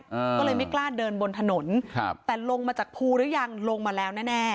อ่าก็เลยไม่กล้าเดินบนถนนครับแต่ลงมาจากภูหรือยังลงมาแล้วแน่แน่